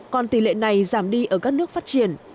còn tỷ lệ này giảm đi ở các nước phát triển